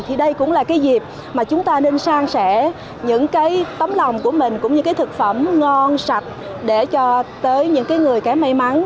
thì đây cũng là dịp mà chúng ta nên sang sẻ những tấm lòng của mình những thực phẩm ngon sạch để cho tới những người cái may mắn